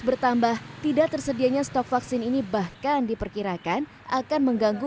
bertambah tidak tersedianya stok vaksin ini bahkan diperkirakan akan mengganggu